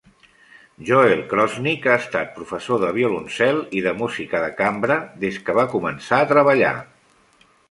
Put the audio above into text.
Joel Krosnick ha estat professor de violoncel i de música de cambra des que va començar a treballar.